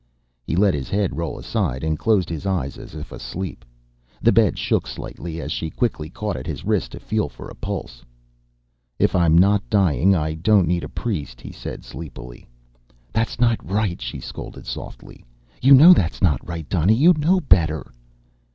He let his head roll aside and closed his eyes, as if asleep. The bed shook slightly as she quickly caught at his wrist to feel for a pulse. "If I'm not dying, I don't need a priest," he said sleepily. "That's not right," she scolded softly. "You know that's not right, Donny. You know better."